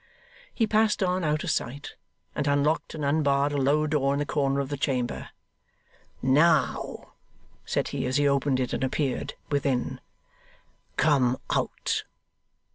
He passed on out of sight, and unlocked and unbarred a low door in the corner of the chamber. 'Now,' said he, as he opened it and appeared within, 'come out.